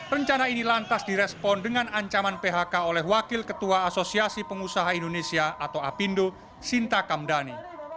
rencana ini lantas direspon dengan ancaman phk oleh wakil ketua asosiasi pengusaha indonesia atau apindo sinta kamdani